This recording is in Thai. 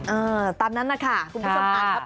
อ่าตามนั้นนะคะคุณผู้ชมอ่านครับ